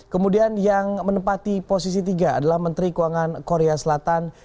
kemudian yang menempati posisi tiga adalah menteri keuangan korea selatan